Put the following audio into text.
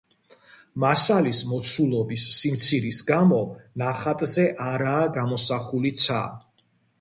მასალის მოცულობის სიმცირის გამო ნახატზე არაა გამოსახული ცა.